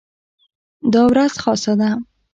دا ورځ خاصه ده.